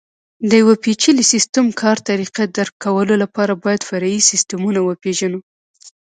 د یوه پېچلي سیسټم کار طریقه درک کولو لپاره باید فرعي سیسټمونه وپېژنو.